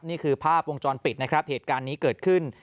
นี่คือภาพวงจรปิดนะครับเหตุการณ์นี้เกิดขึ้น